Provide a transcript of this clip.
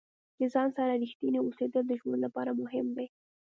د ځان سره ریښتیني اوسیدل د ژوند لپاره مهم دي.